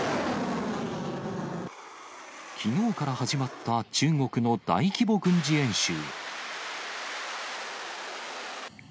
きのうから始まった中国の大規模軍事演習。